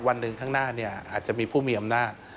วันหนึ่งข้างหน้าอาจจะมีผู้มีอำนาจ